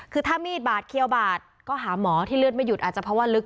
คือถ้ามีดบาดเคี้ยวบาดก็หาหมอที่เลือดไม่หยุดอาจจะเพราะว่าลึก